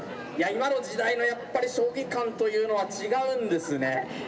今の時代のやっぱり将棋観というのは違うんですね。